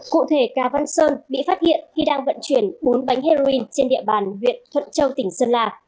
cụ thể cà văn sơn bị phát hiện khi đang vận chuyển bốn bánh heroin trên địa bàn huyện thuận châu tỉnh sơn la